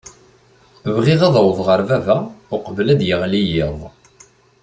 Bɣiɣ ad awḍeɣ ɣer baba uqbel ad d-yeɣli yiḍ.